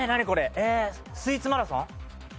ええスイーツマラソン？